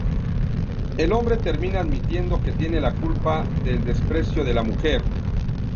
El hombre termina admitiendo que tiene la culpa del desprecio de la mujer.